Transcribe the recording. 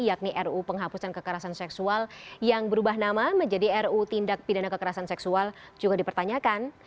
yakni ru penghapusan kekerasan seksual yang berubah nama menjadi ruu tindak pidana kekerasan seksual juga dipertanyakan